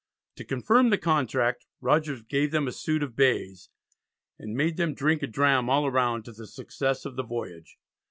To confirm the contract, Rogers gave them a suit of "Bays," and "made them drink a dram all round" to the success of the voyage.